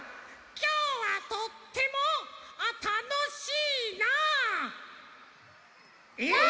きょうはとってもあったのしいな！え！？